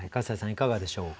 いかがでしょうか。